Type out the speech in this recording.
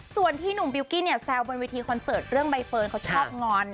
ส่วนที่หนุ่มบิลกี้เนี่ยแซวบนเวทีคอนเสิร์ตเรื่องใบเฟิร์นเขาชอบงอน